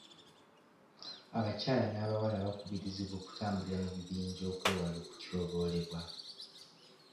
Abakyala n'abawala bakubirizibwa okutambulira mu bibiinja okwewala okutyobolebwa.